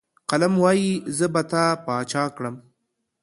قلم وايي، زه به تا باچا کړم.